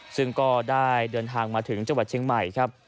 ซึ่งก็ได้เดินทางมาถึงจังหวัดเชียงใหม่ครับ